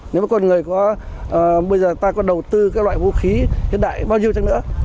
nếu mà con người có bây giờ ta có đầu tư các loại vũ khí hiện đại bao nhiêu chẳng nữa